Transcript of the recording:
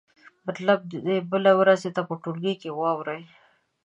مطلب دې بلې ورځې ته په ټولګي کې واورئ.